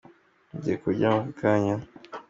Ngiye kuryama aka kanya.